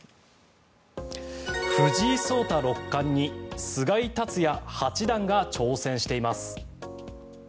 藤井聡太六冠に菅井竜也八段が挑戦しています。